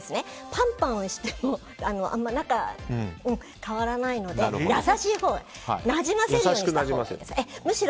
パンパンしてもあまり変わらないので優しいほうなじませるようにしてください。